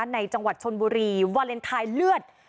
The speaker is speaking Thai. ในจังหวัดชนบุรีวาเลนไทยเลือด